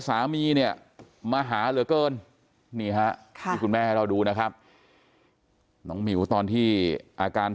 สามีเนี่ยมาหาเหลือเกินคุณแม่ให้เราดูนะครับตอนที่อาการ